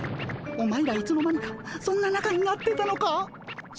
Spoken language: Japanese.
お前らいつの間にかそんななかになってたのか。